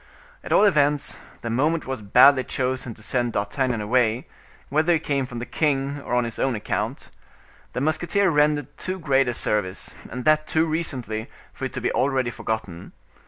At all events, the moment was badly chosen to send D'Artagnan away, whether he came from the king, or on his own account. The musketeer had rendered too great a service, and that too recently, for it to be already forgotten.